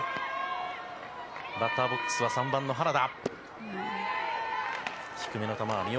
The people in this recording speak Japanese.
バッターボックスは３番の原田。